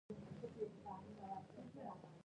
او شرایط ټاکل، د پور ترلاسه کول،